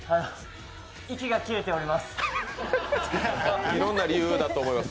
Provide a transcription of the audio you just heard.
息が切れております。